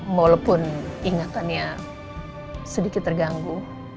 walaupun ingatannya sedikit terganggu